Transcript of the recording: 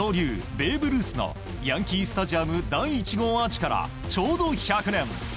ベーブ・ルースのヤンキー・スタジアム第１号アーチからちょうど１００年。